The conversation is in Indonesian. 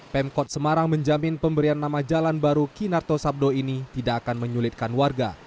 pemkot semarang menjamin pemberian nama jalan baru kinarto sabdo ini tidak akan menyulitkan warga